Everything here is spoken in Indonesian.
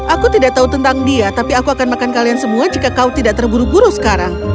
aku tidak tahu tentang dia tapi aku akan makan kalian semua jika kau tidak terburu buru sekarang